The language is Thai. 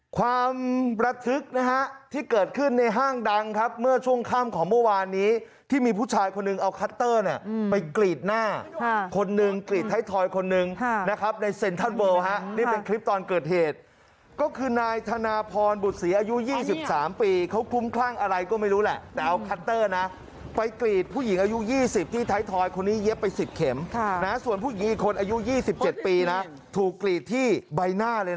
ความระทึกนะฮะที่เกิดขึ้นในห้างดังครับเมื่อช่วงข้ามของเมื่อวานนี้ที่มีผู้ชายคนหนึ่งเอาคัตเตอร์เนี่ยไปกรีดหน้าคนหนึ่งกรีดไทยทอยคนหนึ่งนะครับในเซ็นเทิลเวิลฮะนี่เป็นคลิปตอนเกิดเหตุก็คือนายธนพรบุษีอายุ๒๓ปีเขาคุ้มคลั่งอะไรก็ไม่รู้แหละแต่เอาคัตเตอร์นะไปกรีดผู้หญิงอายุ๒๐ที่ไท